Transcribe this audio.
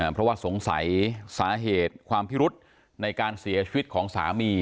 เพราะว่าสงสัยสาเหตุความพิรุษในการเสียชีวิตของสามี